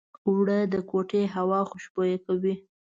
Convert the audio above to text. اوړه د کوټې هوا خوشبویه کوي